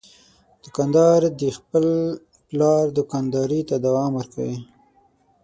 دوکاندار د خپل پلار دوکانداري ته دوام ورکوي.